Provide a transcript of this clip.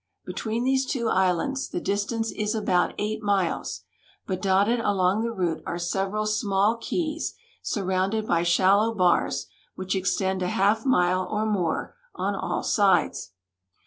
Between these two islands the distance is about eight miles, but dotted along the route are several small keys, surrounded by shallow bars, which extend a half mile or more on all sides.